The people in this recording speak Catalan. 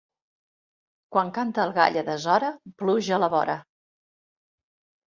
Quan canta el gall a deshora, pluja a la vora.